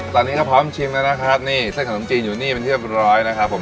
ตอนนี้ก็พร้อมชิมแล้วนะครับนี่เส้นขนมจีนอยู่นี่เป็นที่เรียบร้อยนะครับผม